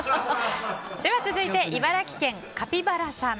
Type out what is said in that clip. では続いて茨城県の方。